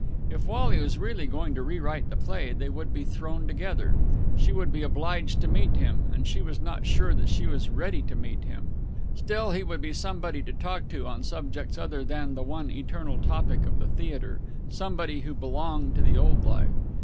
If Wally was really going to rewrite the play, they would be thrown together. She would be obliged to meet him, and she was not sure that she was ready to meet him. Still, he would be somebody to talk to on subjects other than the one eternal topic of the theatre, somebody who belonged to the old life.